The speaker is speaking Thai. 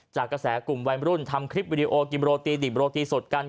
กระแสกลุ่มวัยรุ่นทำคลิปวิดีโอกิมโรตีดิบโรตีสดกัน